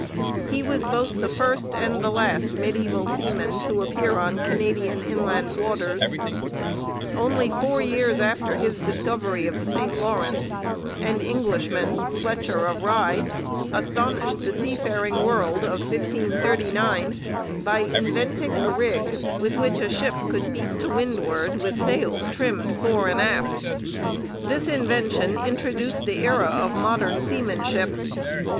He was both the first and the last mediaeval seaman to appear on Canadian inland waters. Only four years after his discovery of the St Lawrence, an Englishman, Fletcher of Rye, astonished the seafaring world of 1539 by inventing a rig with which a ship could beat to windward with sails trimmed fore and aft. This invention introduced the era of modern seamanship.